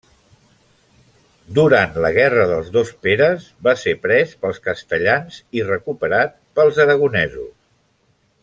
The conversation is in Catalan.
Durant la Guerra dels dos Peres va ser pres pels castellans i recuperat pels aragonesos.